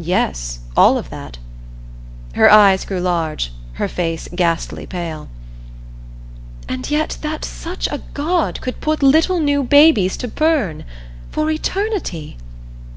"Yes all of that." Her eyes grew large, her face ghastly pale. "And yet that such a God could put little new babies to burn for eternity?"